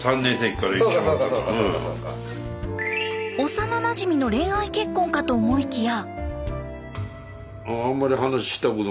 幼なじみの恋愛結婚かと思いきや。